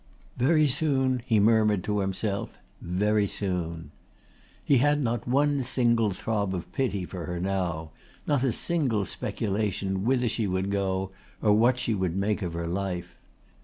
"Very soon," he murmured to himself, "very soon." He had not one single throb of pity for her now, not a single speculation whither she would go or what she would make of her life.